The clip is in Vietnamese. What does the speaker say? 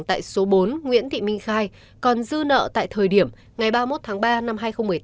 tại số bốn nguyễn thị minh khai còn dư nợ tại thời điểm ngày ba mươi một tháng ba năm hai nghìn một mươi tám